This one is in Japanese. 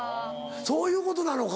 そういうことなのか。